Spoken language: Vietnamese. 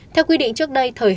theo quy định trước đây